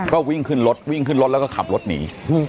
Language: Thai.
แล้วก็วิ่งขึ้นรถแล้วก็ขับรถหนี